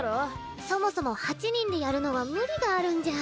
そもそも８人でやるのは無理があるんじゃ。